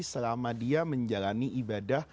selama dia menjalani ibadah